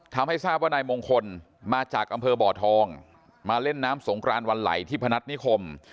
ทำให้ทราบว่านายมงคลมาจากอำเภอบ่อทองมาเล่นน้ำสงครานวันไหลที่พนัฐนิคม